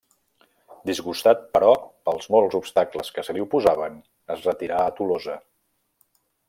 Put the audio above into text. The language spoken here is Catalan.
Disgustat, però, pels molts obstacles que se li oposaven, es retirà a Tolosa.